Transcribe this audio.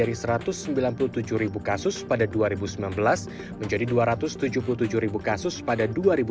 dua ratus tujuh puluh tujuh ribu kasus pada dua ribu dua puluh